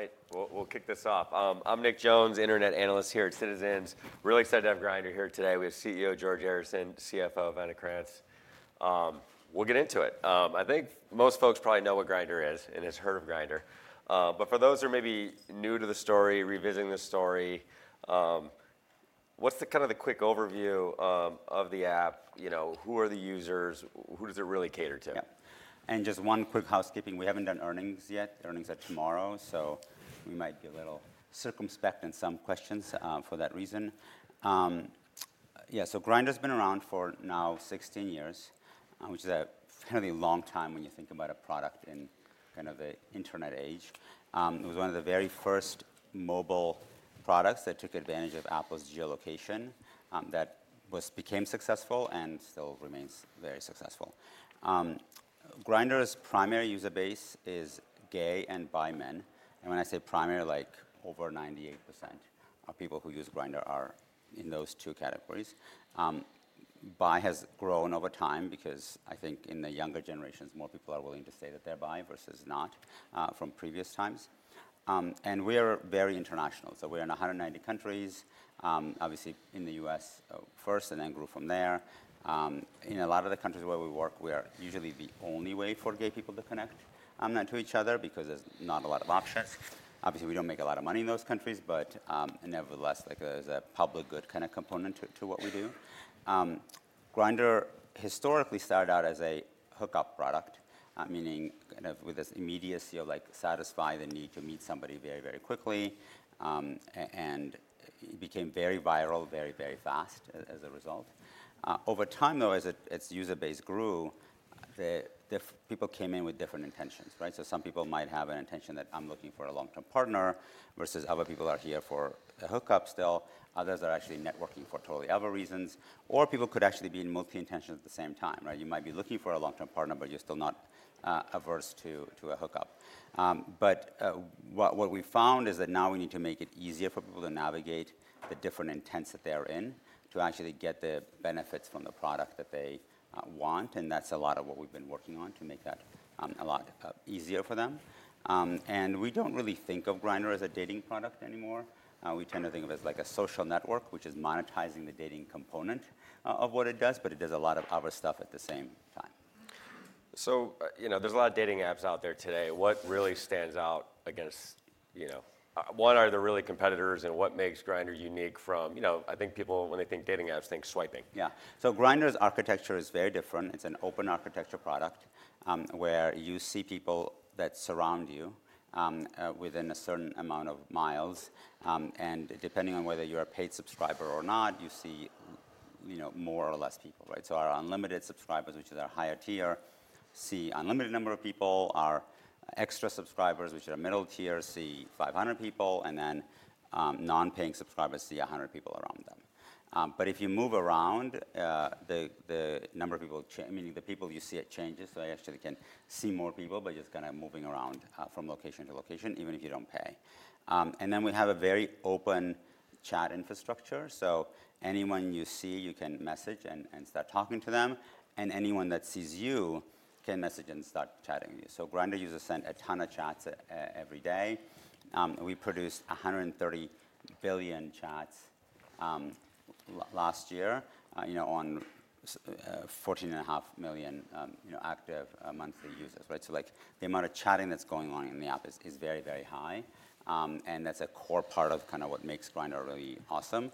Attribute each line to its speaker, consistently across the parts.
Speaker 1: All right. We'll kick this off. I'm Nick Jones, Internet Analyst here at Citizens. Really excited to have Grindr here today. We have CEO George Arison, CFO Vanna Krantz. We'll get into it. I think most folks probably know what Grindr is and have heard of Grindr. But for those who are maybe new to the story, revisiting the story, what's kind of the quick overview of the app? Who are the users? Who does it really cater to?
Speaker 2: And just one quick housekeeping. We haven't done earnings yet. Earnings are tomorrow. So we might be a little circumspect in some questions for that reason. Yeah, so Grindr has been around for now 16 years, which is a fairly long time when you think about a product in kind of the internet age. It was one of the very first mobile products that took advantage of Apple's geolocation that became successful and still remains very successful. Grindr's primary user base is gay and bi men. And when I say primary, like over 98% of people who use Grindr are in those two categories. Bi has grown over time because I think in the younger generations, more people are willing to say that they're bi versus not from previous times. And we are very international. So we're in 190 countries, obviously in the U.S. first and then grew from there. In a lot of the countries where we work, we are usually the only way for gay people to connect to each other because there's not a lot of options. Obviously, we don't make a lot of money in those countries, but nevertheless, there's a public good kind of component to what we do. Grindr historically started out as a hookup product, meaning kind of with this immediacy of satisfying the need to meet somebody very, very quickly, and it became very viral very, very fast as a result. Over time, though, as its user base grew, people came in with different intentions, so some people might have an intention that I'm looking for a long-term partner versus other people are here for a hookup still. Others are actually networking for totally other reasons, or people could actually be in multi-intention at the same time. You might be looking for a long-term partner, but you're still not averse to a hookup, but what we found is that now we need to make it easier for people to navigate the different intents that they're in to actually get the benefits from the product that they want, and that's a lot of what we've been working on to make that a lot easier for them, and we don't really think of Grindr as a dating product anymore. We tend to think of it as like a social network, which is monetizing the dating component of what it does, but it does a lot of other stuff at the same time.
Speaker 1: So there's a lot of dating apps out there today. What really stands out against what are the really competitors and what makes Grindr unique from I think people, when they think dating apps, think swiping? Yeah. So Grindr's architecture is very different. It's an open architecture product where you see people that surround you within a certain amount of miles. And depending on whether you're a paid subscriber or not, you see more or less people. So our Unlimited subscribers, which are their higher tier, see an Unlimited number of people. Our XTRA subscribers, which are middle tier, see 500 people. And then non-paying subscribers see 100 people around them. But if you move around, the number of people, meaning the people you see, it changes. So they actually can see more people by just kind of moving around from location to location, even if you don't pay. And then we have a very open chat infrastructure. So anyone you see, you can message and start talking to them. And anyone that sees you can message and start chatting with you. Grindr users send a ton of chats every day. We produced 130 billion chats last year on 14.5 million active monthly users. The amount of chatting that's going on in the app is very, very high. That's a core part of kind of what makes Grindr really awesome.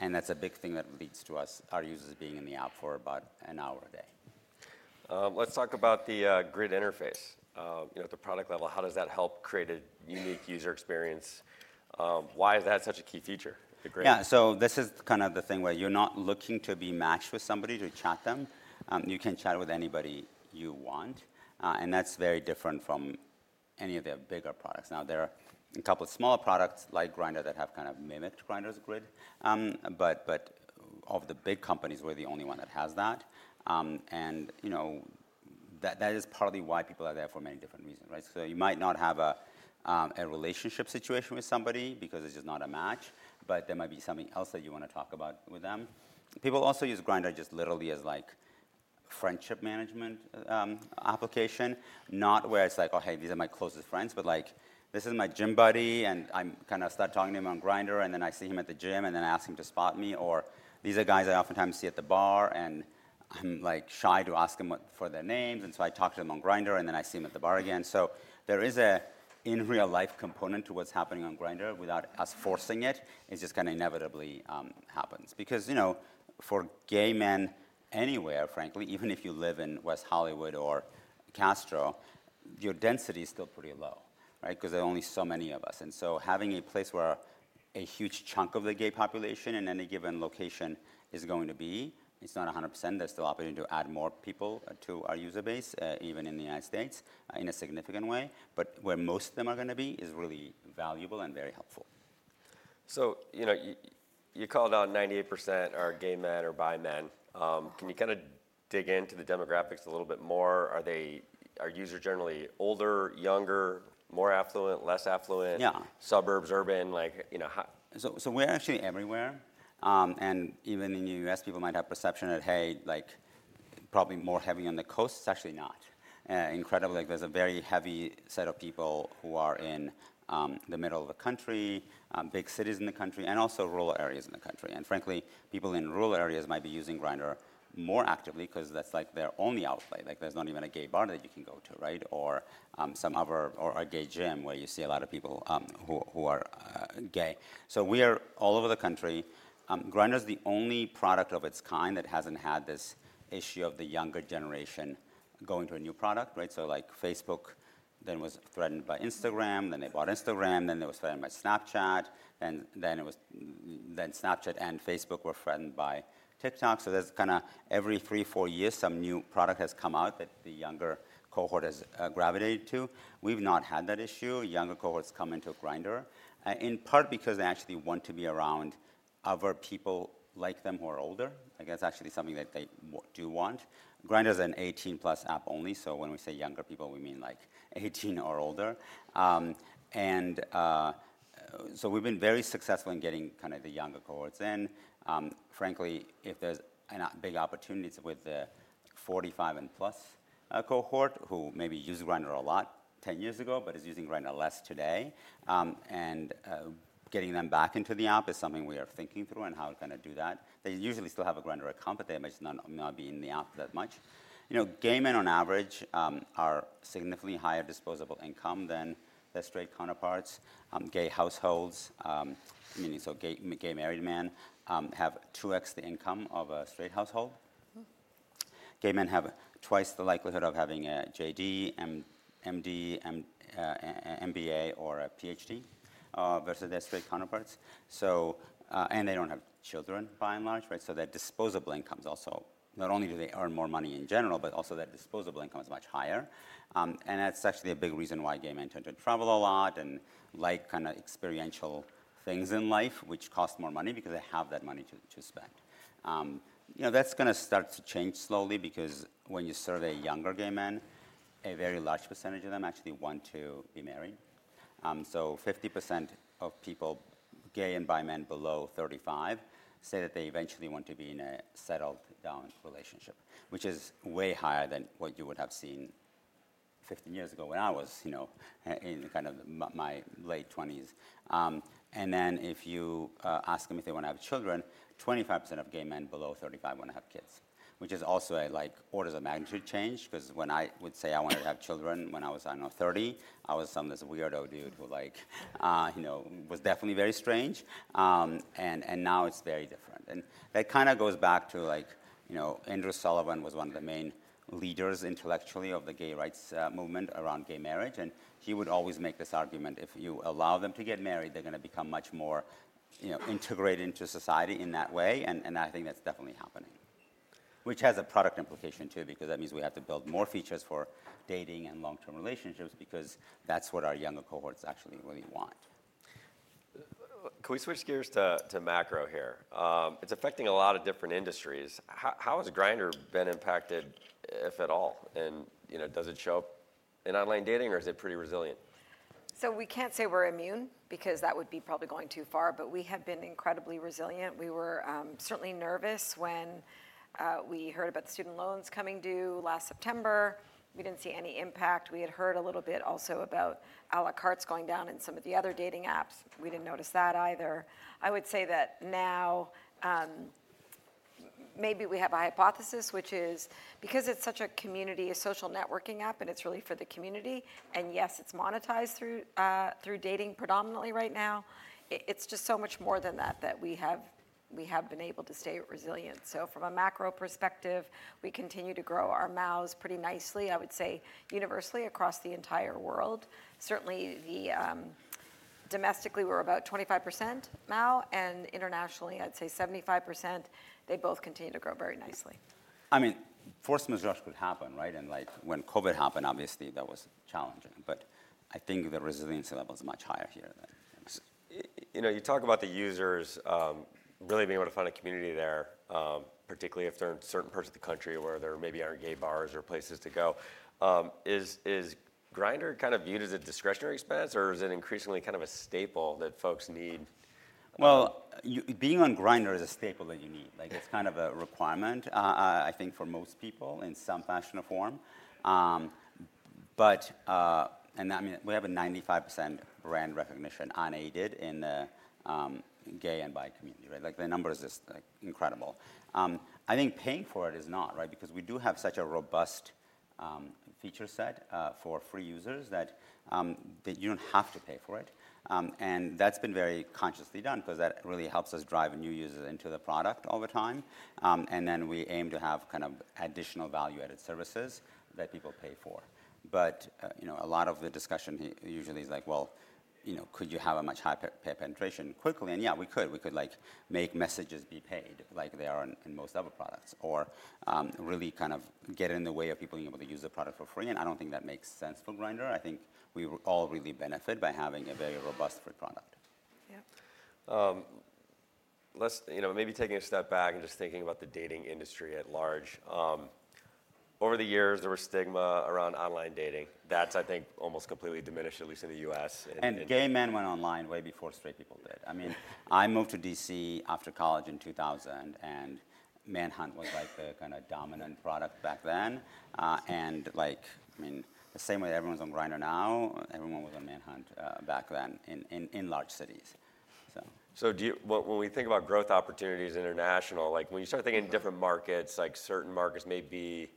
Speaker 1: That's a big thing that leads to us, our users being in the app for about an hour a day. Let's talk about the grid interface. At the product level, how does that help create a unique user experience? Why is that such a key feature?
Speaker 2: Yeah. So this is kind of the thing where you're not looking to be matched with somebody to chat them. You can chat with anybody you want, and that's very different from any of their bigger products. Now, there are a couple of smaller products like Grindr that have kind of mimicked Grindr's grid, but of the big companies, we're the only one that has that, and that is partly why people are there for many different reasons, so you might not have a relationship situation with somebody because it's just not a match, but there might be something else that you want to talk about with them. People also use Grindr just literally as like a friendship management application, not where it's like, oh, hey, these are my closest friends, but this is my gym buddy, and I kind of start talking to him on Grindr. And then I see him at the gym. And then I ask him to spot me. Or these are guys I oftentimes see at the bar. And I'm shy to ask them for their names. And so I talk to them on Grindr. And then I see them at the bar again. So there is an in-real-life component to what's happening on Grindr without us forcing it. It just kind of inevitably happens. Because for gay men anywhere, frankly, even if you live in West Hollywood or Castro, your density is still pretty low because there are only so many of us. And so having a place where a huge chunk of the gay population in any given location is going to be, it's not 100%. There's still opportunity to add more people to our user base, even in the United States, in a significant way where most of them are going to be is really valuable and very helpful.
Speaker 1: So you called out 98% are gay men or bi men. Can you kind of dig into the demographics a little bit more? Are users generally older, younger, more affluent, less affluent, suburbs, urban?
Speaker 2: So we're actually everywhere. And even in the U.S., people might have a perception that, hey, probably more heavy on the coast. It's actually not. Incredibly, there's a very heavy set of people who are in the middle of the country, big cities in the country, and also rural areas in the country. And frankly, people in rural areas might be using Grindr more actively because that's like their only outlet. There's not even a gay bar that you can go to, a gay gym where you see a lot of people who are gay. So we are all over the country. Grindr is the only product of its kind that hasn't had this issue of the younger generation going to a new product. So Facebook then was threatened by Instagram. Then they were threatened by Snapchat. Then Snapchat and Facebook were threatened by TikTok. So there's kind of every three, four years, some new product has come out that the younger cohort has gravitated to. We've not had that issue. Younger cohorts come into Grindr in part because they actually want to be around other people like them who are older. That's actually something that they do want. Grindr is an 18-plus app only. So when we say younger people, we mean like 18 or older. And so we've been very successful in getting kind of the younger cohorts in. Frankly, if there's big opportunities with the 45-plus cohort who maybe used Grindr a lot 10 years ago but is using Grindr less today, and getting them back into the app is something we are thinking through and how we're going to do that. They usually still have a Grindr account, but they might not be in the app that much. Gay men, on average, are significantly higher disposable income than their straight counterparts. Gay households, meaning so gay married men, have 2x the income of a straight household. Gay men have twice the likelihood of having a JD, MD, MBA, or a PhD versus their straight counterparts, and they don't have children, by and large, so their disposable income is also not only do they earn more money in general, but also their disposable income is much higher, and that's actually a big reason why gay men tend to travel a lot and like kind of experiential things in life, which costs more money because they have that money to spend. That's going to start to change slowly because when you survey younger gay men, a very large percentage of them actually want to be married. So 50% of people, gay and bi men below 35, say that they eventually want to be in a settled down relationship, which is way higher than what you would have seen 15 years ago when I was in kind of my late 20s. And then if you ask them if they want to have children, 25% of gay men below 35 want to have kids, which is also orders of magnitude change. Because when I would say I wanted to have children when I was 30, I was some weird dude who was definitely very strange. And now it's very different. And that kind of goes back to Andrew Sullivan was one of the main leaders intellectually of the gay rights movement around gay marriage. And he would always make this argument, if you allow them to get married, they're going to become much more integrated into society in that way. And I think that's definitely happening, which has a product implication too because that means we have to build more features for dating and long-term relationships because that's what our younger cohorts actually really want.
Speaker 1: Can we switch gears to macro here? It's affecting a lot of different industries. How has Grindr been impacted, if at all, and does it show in online dating, or is it pretty resilient?
Speaker 3: So we can't say we're immune because that would be probably going too far. But we have been incredibly resilient. We were certainly nervous when we heard about the student loans coming due last September. We didn't see any impact. We had heard a little bit also about a la carte going down in some of the other dating apps. We didn't notice that either. I would say that now maybe we have a hypothesis, which is because it's such a community, a social networking app, and it's really for the community. And yes, it's monetized through dating predominantly right now. It's just so much more than that that we have been able to stay resilient. So from a macro perspective, we continue to grow our MAUs pretty nicely, I would say, universally across the entire world. Certainly, domestically, we're about 25% MAU. And internationally, I'd say 75%. They both continue to grow very nicely.
Speaker 2: I mean, force majeure could happen, and when COVID happened, obviously, that was challenging, but I think the resiliency level is much higher here.
Speaker 1: You talk about the users really being able to find a community there, particularly if they're in certain parts of the country where there maybe aren't gay bars or places to go. Is Grindr kind of viewed as a discretionary expense? Or is it increasingly kind of a staple that folks need?
Speaker 2: Being on Grindr is a staple that you need. It's kind of a requirement, I think, for most people in some fashion or form. We have a 95% brand recognition unaided in the gay and bi community. The number is just incredible. Paying for it is not because we do have such a robust feature set for free users that you don't have to pay for it. That's been very consciously done because that really helps us drive new users into the product all the time. We aim to have kind of additional value-added services that people pay for. A lot of the discussion usually is like, well, could you have a much higher payer penetration quickly? Yeah, we could. We could make messages be paid like they are in most other products or really kind of get in the way of people being able to use the product for free, and I don't think that makes sense for Grindr. I think we all really benefit by having a very robust free product.
Speaker 1: Maybe taking a step back and just thinking about the dating industry at large. Over the years, there was stigma around online dating. That's, I think, almost completely diminished, at least in the U.S.
Speaker 2: Gay men went online way before straight people did. I mean, I moved to DC after college in 2000. Manhunt was like the kind of dominant product back then. The same way everyone's on Grindr now, everyone was on Manhunt back then in large cities.
Speaker 1: So when we think about growth opportunities internationally, when you start thinking in different markets, certain markets may be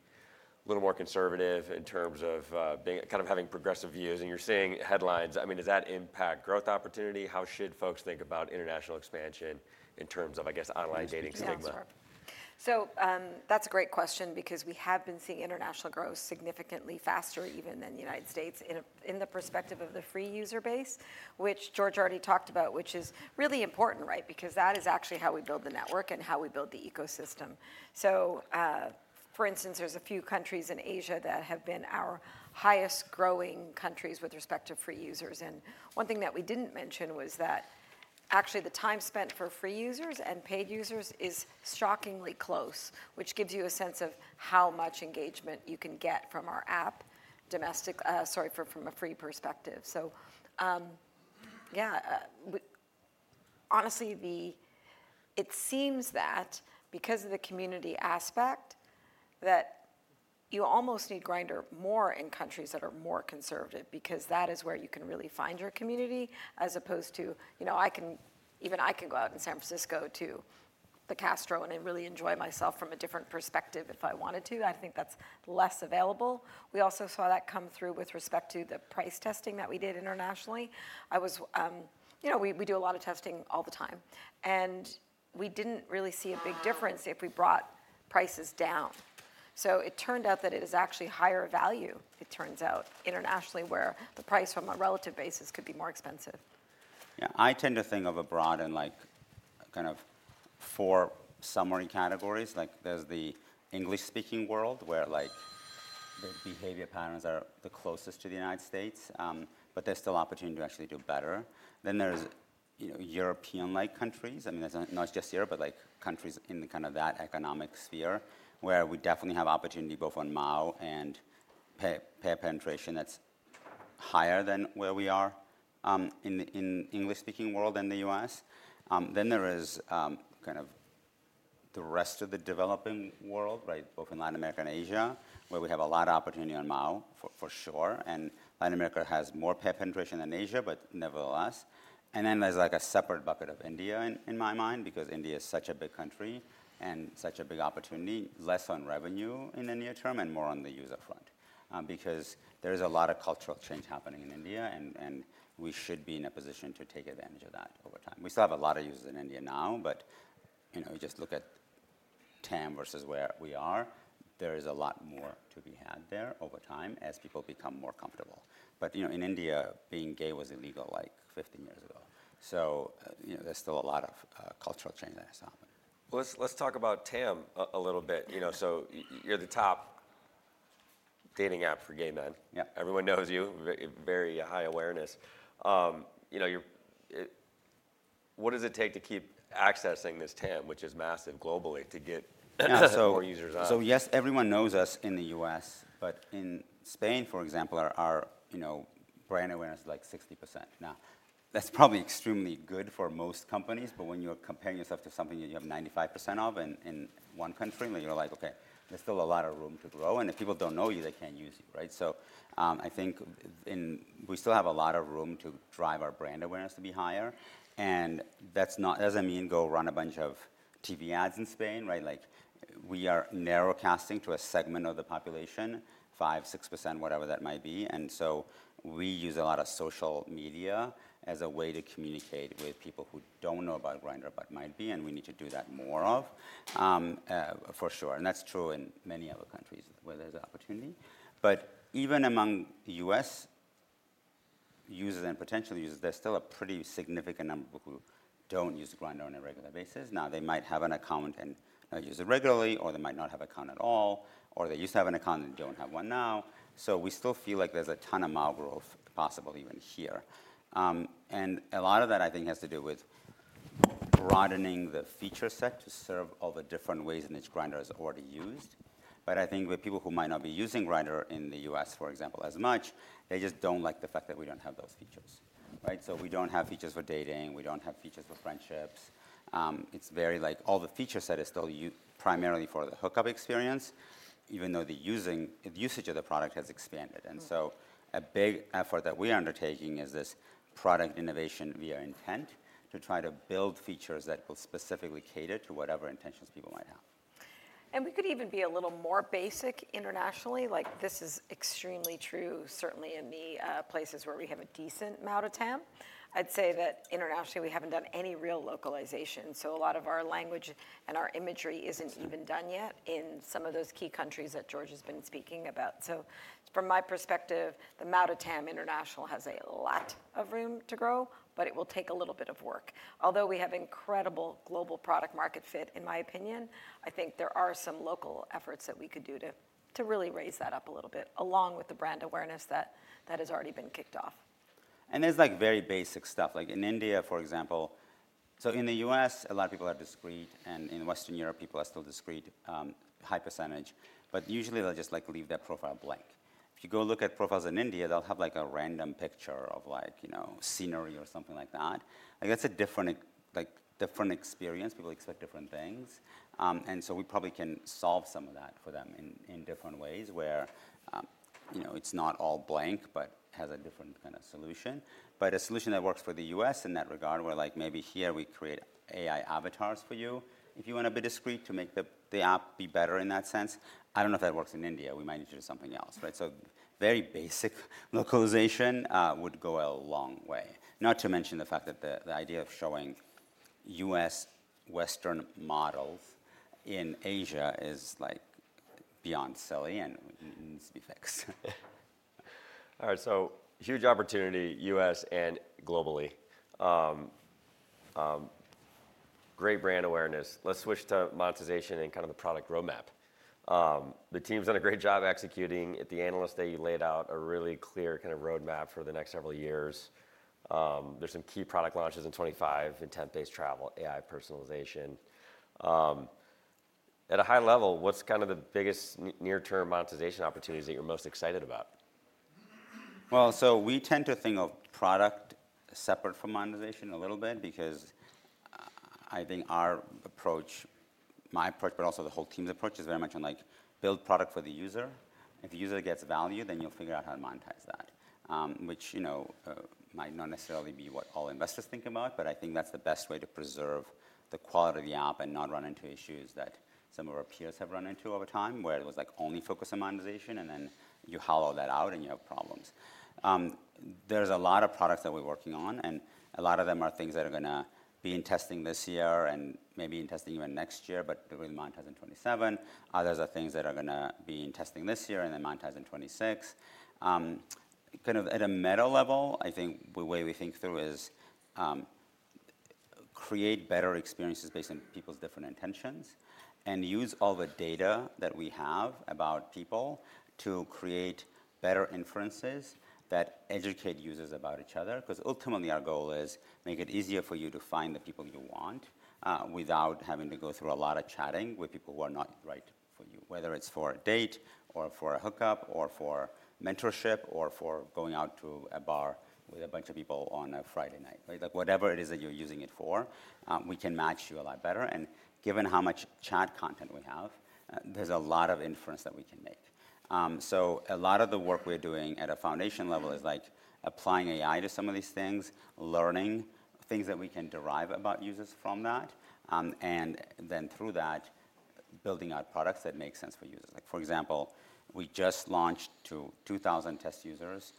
Speaker 1: a little more conservative in terms of kind of having progressive views. And you're seeing headlines. I mean, does that impact growth opportunity? How should folks think about international expansion in terms of, I guess, online dating stigma?
Speaker 3: That's a great question because we have been seeing international growth significantly faster even than the United States in the perspective of the free user base, which George already talked about, which is really important because that is actually how we build the network and how we build the ecosystem. For instance, there's a few countries in Asia that have been our highest growing countries with respect to free users. One thing that we didn't mention was that actually the time spent for free users and paid users is shockingly close, which gives you a sense of how much engagement you can get from our app from a free perspective. Yeah, honestly, it seems that because of the community aspect, you almost need Grindr more in countries that are more conservative because that is where you can really find your community, as opposed to even I can go out in San Francisco to The Castro and really enjoy myself from a different perspective if I wanted to. I think that's less available. We also saw that come through with respect to the price testing that we did internationally. We do a lot of testing all the time, and we didn't really see a big difference if we brought prices down, so it turned out that it is actually higher value, it turns out, internationally where the price from a relative basis could be more expensive.
Speaker 2: Yeah. I tend to think of abroad in kind of four summary categories. There's the English-speaking world where the behavior patterns are the closest to the United States, but there's still opportunity to actually do better. Then there's European-like countries. I mean, that's not just Europe, but countries in kind of that economic sphere where we definitely have opportunity both on MAU and payer penetration that's higher than where we are in the English-speaking world and the U.S. Then there is kind of the rest of the developing world, both in Latin America and Asia, where we have a lot of opportunity on MAU for sure. And Latin America has more payer penetration than Asia, but nevertheless. Then there's like a separate bucket of India in my mind because India is such a big country and such a big opportunity, less on revenue in the near term and more on the user front because there is a lot of cultural change happening in India. We should be in a position to take advantage of that over time. We still have a lot of users in India now. Just look at TAM versus where we are. There is a lot more to be had there over time as people become more comfortable. In India, being gay was illegal like 15 years ago. There's still a lot of cultural change that has happened.
Speaker 1: Let's talk about TAM a little bit. So you're the top dating app for gay men. Everyone knows you. Very high awareness. What does it take to keep accessing this TAM, which is massive globally, to get more users on?
Speaker 2: So yes, everyone knows us in the U.S. But in Spain, for example, our brand awareness is like 60%. Now, that's probably extremely good for most companies. But when you're comparing yourself to something that you have 95% of in one country, you're like, OK, there's still a lot of room to grow. And if people don't know you, they can't use you. So I think we still have a lot of room to drive our brand awareness to be higher. And that doesn't mean go run a bunch of TV ads in Spain. We are narrowcasting to a segment of the population, 5%, 6%, whatever that might be. And so we use a lot of social media as a way to communicate with people who don't know about Grindr but might be. And we need to do that more of for sure. That's true in many other countries where there's opportunity. Even among U.S. users and potential users, there's still a pretty significant number who don't use Grindr on a regular basis. Now, they might have an account and use it regularly, or they might not have an account at all, or they used to have an account and don't have one now. We still feel like there's a ton of MAU growth possible even here. A lot of that, I think, has to do with broadening the feature set to serve all the different ways in which Grindr is already used. I think with people who might not be using Grindr in the U.S., for example, as much, they just don't like the fact that we don't have those features. We don't have features for dating. We don't have features for friendships. It's very like all the feature set is still primarily for the hookup experience, even though the usage of the product has expanded, and so a big effort that we are undertaking is this product innovation via intent to try to build features that will specifically cater to whatever intentions people might have.
Speaker 3: We could even be a little more basic internationally. This is extremely true, certainly in the places where we have a decent amount of TAM. I'd say that internationally, we haven't done any real localization. So a lot of our language and our imagery isn't even done yet in some of those key countries that George has been speaking about. So from my perspective, the MAU to TAM international has a lot of room to grow, but it will take a little bit of work. Although we have incredible global product-market fit, in my opinion, I think there are some local efforts that we could do to really raise that up a little bit along with the brand awareness that has already been kicked off.
Speaker 2: There's very basic stuff. In India, for example, so in the US, a lot of people are discreet. In Western Europe, people are still discreet, high percentage. Usually, they'll just leave their profile blank. If you go look at profiles in India, they'll have a random picture of scenery or something like that. That's a different experience. People expect different things. So we probably can solve some of that for them in different ways where it's not all blank but has a different kind of solution. A solution that works for the US in that regard where maybe here we create AI avatars for you if you want to be discreet to make the app be better in that sense. I don't know if that works in India. We might need to do something else. Very basic localization would go a long way, not to mention the fact that the idea of showing U.S. Western models in Asia is beyond silly and needs to be fixed.
Speaker 1: All right, so huge opportunity U.S. and globally. Great brand awareness. Let's switch to monetization and kind of the product roadmap. The team's done a great job executing. At the analyst day, you laid out a really clear kind of roadmap for the next several years. There's some key product launches in 2025, intent-based travel, AI personalization. At a high level, what's kind of the biggest near-term monetization opportunities that you're most excited about?
Speaker 2: Well, so we tend to think of product separate from monetization a little bit because I think our approach, my approach, but also the whole team's approach is very much on build product for the user. If the user gets value, then you'll figure out how to monetize that, which might not necessarily be what all investors think about. But I think that's the best way to preserve the quality of the app and not run into issues that some of our peers have run into over time where it was only focused on monetization. And then you hollow that out and you have problems. There's a lot of products that we're working on. And a lot of them are things that are going to be in testing this year and maybe in testing even next year, but really monetize in 2027. Others are things that are going to be in testing this year and then monetize in 2026. Kind of at a meta level, I think the way we think through is create better experiences based on people's different intentions and use all the data that we have about people to create better inferences that educate users about each other. Because ultimately, our goal is make it easier for you to find the people you want without having to go through a lot of chatting with people who are not right for you, whether it's for a date or for a hookup or for mentorship or for going out to a bar with a bunch of people on a Friday night. Whatever it is that you're using it for, we can match you a lot better. Given how much chat content we have, there's a lot of inference that we can make. So a lot of the work we're doing at a foundation level is applying AI to some of these things, learning things that we can derive about users from that, and then through that, building out products that make sense for users. For example, we just launched to 2,000 test users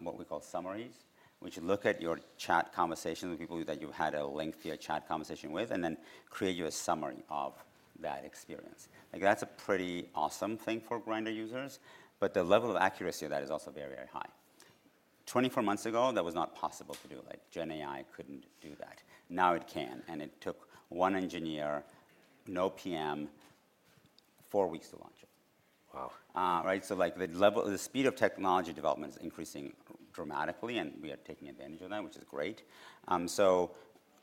Speaker 2: what we call summaries, which look at your chat conversations with people that you've had a lengthier chat conversation with and then create you a summary of that experience. That's a pretty awesome thing for Grindr users. But the level of accuracy of that is also very, very high. 24 months ago, that was not possible to do. Gen AI couldn't do that. Now it can. And it took one engineer, no PM, four weeks to launch it.
Speaker 1: Wow.
Speaker 2: The speed of technology development is increasing dramatically. And we are taking advantage of that, which is great.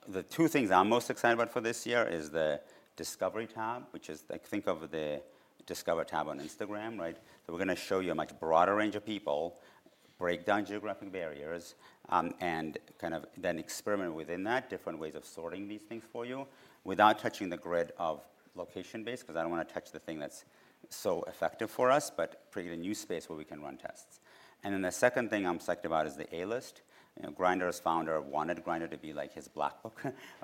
Speaker 2: The two things I'm most excited about for this year are the Discovery tab, which is, think of the Discover tab on Instagram. We're going to show you a much broader range of people, break down geographic barriers, and kind of then experiment within that, different ways of sorting these things for you without touching the grid of location-based, because I don't want to touch the thing that's so effective for us, but create a new space where we can run tests. The second thing I'm psyched about is the A-List. Grindr's founder wanted Grindr to be like his black book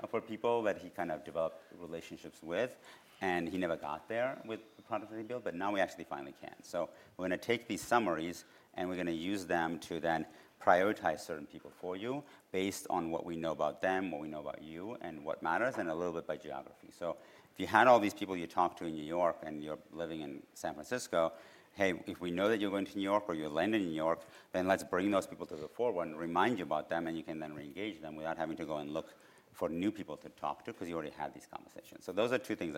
Speaker 2: for people that he kind of developed relationships with. He never got there with the product that he built. But now we actually finally can. So we're going to take these summaries, and we're going to use them to then prioritize certain people for you based on what we know about them, what we know about you, and what matters, and a little bit by geography. So if you had all these people you talk to in New York and you're living in San Francisco, hey, if we know that you're going to New York or you're landing in New York, then let's bring those people to the fore and remind you about them. And you can then reengage them without having to go and look for new people to talk to because you already had these conversations. So those are two things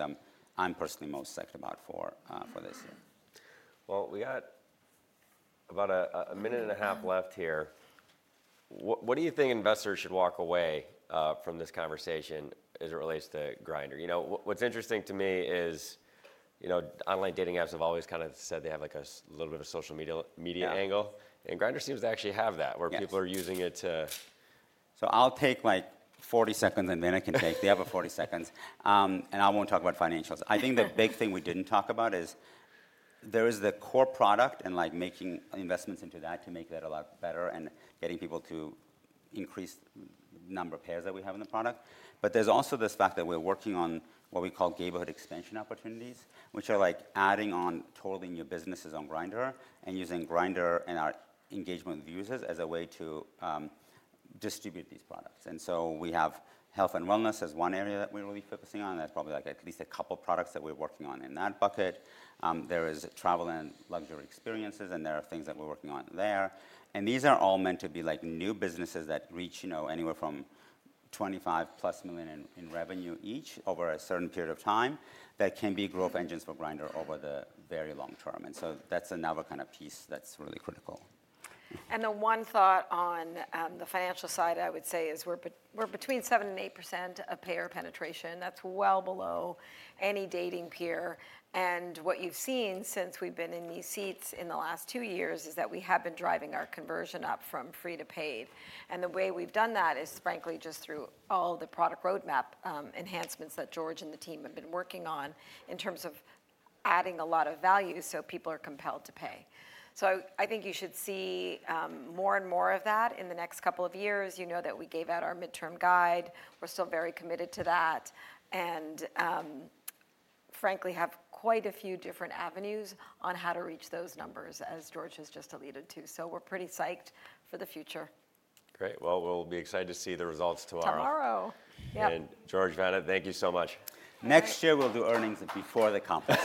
Speaker 2: I'm personally most psyched about for this year.
Speaker 1: Well, we got about a minute and a half left here. What do you think investors should walk away from this conversation as it relates to Grindr? What's interesting to me is online dating apps have always kind of said they have a little bit of a social media angle. And Grindr seems to actually have that where people are using it to.
Speaker 2: So I'll take 40 seconds, and then I can take the other 40 seconds. And I won't talk about financials. I think the big thing we didn't talk about is there is the core product and making investments into that to make that a lot better and getting people to increase the number of payers that we have in the product. But there's also this fact that we're working on what we call Gayhood expansion opportunities, which are adding on to all your businesses on Grindr and using Grindr and our engagement with users as a way to distribute these products. And so we have health and wellness as one area that we're really focusing on. And there's probably at least a couple of products that we're working on in that bucket. There is travel and luxury experiences. And there are things that we're working on there. These are all meant to be new businesses that reach anywhere from $25+ million in revenue each over a certain period of time that can be growth engines for Grindr over the very long term. So that's another kind of piece that's really critical.
Speaker 3: The one thought on the financial side, I would say, is we're between 7%-8% payer penetration. That's well below any dating peer. What you've seen since we've been in these seats in the last two years is that we have been driving our conversion up from free to paid. The way we've done that is, frankly, just through all the product roadmap enhancements that George and the team have been working on in terms of adding a lot of value so people are compelled to pay. So I think you should see more and more of that in the next couple of years. You know that we gave out our midterm guide. We're still very committed to that and, frankly, have quite a few different avenues on how to reach those numbers, as George has just alluded to. We're pretty psyched for the future.
Speaker 1: Great. Well, we'll be excited to see the results tomorrow.
Speaker 3: Tomorrow.
Speaker 1: George, Vanna, thank you so much.
Speaker 2: Next year, we'll do earnings before the conference.